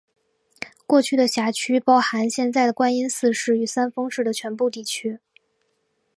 过去的辖区包含现在的观音寺市和三丰市的全部地区。